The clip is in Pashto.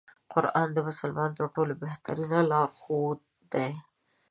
قرآن د مسلمانانو تر ټولو بهتر لار ښود دی.